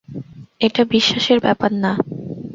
এটা বিশ্বাসের ব্যাপার না।